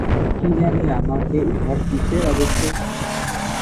কি জানি আমাকে উহার কিসের আবশ্যক!